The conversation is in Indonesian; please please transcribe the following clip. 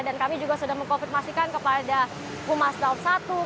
dan kami juga sudah mengkomitmasikan kepada bumas daun satu